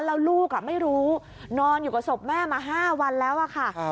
แล้วลูกไม่รู้นอนอยู่กับศพแม่มา๕วันแล้วอะค่ะ